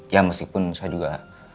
ya meskipun saya juga